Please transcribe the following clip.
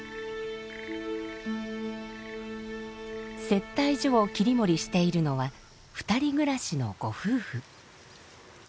接待所を切り盛りしているのは２人暮らしのご夫婦。